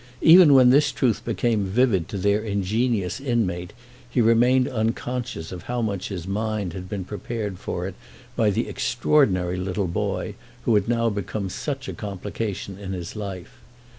Even when this truth became vivid to their ingenious inmate he remained unconscious of how much his mind had been prepared for it by the extraordinary little boy who had now become such a complication in his life.